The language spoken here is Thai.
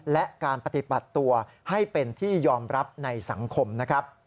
และการปฏิบัติตัวให้เป็นที่ยอมรับในสังคมนะครับ